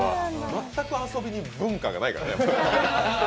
全く遊びに文化がないからね。